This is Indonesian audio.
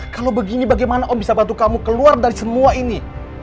kalau begini bagaimana om bisa bantu kamu keluar dari semua ini